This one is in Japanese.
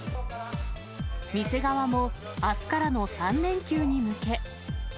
店側も、あすからの３連休に向け。